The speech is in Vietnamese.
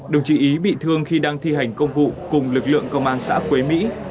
đồng chí ý bị thương khi đang thi hành công vụ cùng lực lượng công an xã quế mỹ